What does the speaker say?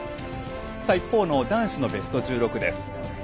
一方の男子のベスト１６。